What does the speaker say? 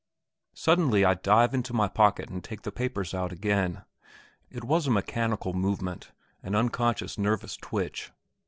Suddenly I dive into my pocket and take the papers out again. It was a mechanical movement, an unconscious nervous twitch.